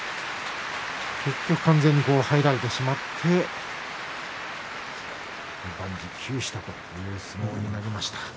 結局、完全に入られてしまって万事休したという相撲になりました。